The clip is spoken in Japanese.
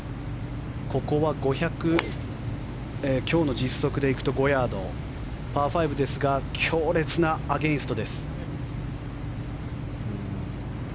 ここは今日の実測で行くと５０５ヤードパー５ですが強烈なアゲンストです。